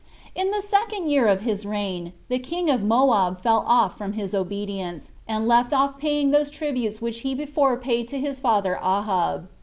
In the second year of his reign, the king of Moab fell off from his obedience, and left off paying those tributes which he before paid to his father Ahab.